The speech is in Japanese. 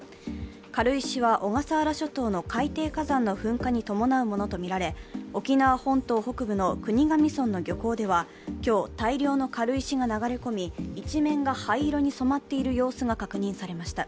軽石は、小笠原諸島の海底火山の噴火に伴うものとみられ、沖縄本島北部の国頭村の漁港では今日、大量の軽石が流れ込み一面が灰色に染まっている様子が確認されました。